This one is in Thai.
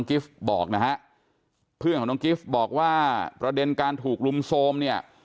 กิฟต์บอกนะเพื่อนของกิฟต์บอกว่าประเด็นการถูกรุมโทรศัพท์เนี่ย